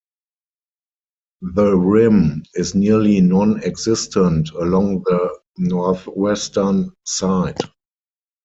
The rim is nearly non-existent along the northwestern side.